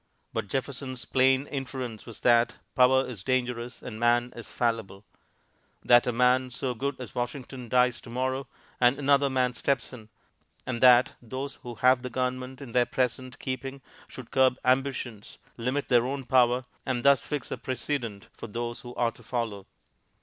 But Jefferson's plain inference was that power is dangerous and man is fallible; that a man so good as Washington dies tomorrow and another man steps in, and that those who have the government in their present keeping should curb ambitions, limit their own power, and thus fix a precedent for those who are to follow.